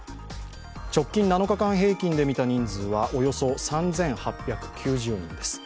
直近７日間平均で見た人数はおよそ３８９０人です。